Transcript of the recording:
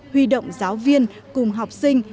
huy động giáo viên cùng học sinh